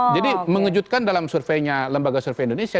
jadi mengejutkan dalam surveinya lembaga survei indonesia